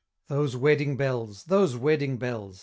Those wedding bells! those wedding bells!